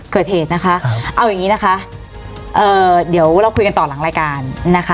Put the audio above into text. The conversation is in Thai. เกิดเหตุนะคะเอาอย่างงี้นะคะเอ่อเดี๋ยวเราคุยกันต่อหลังรายการนะคะ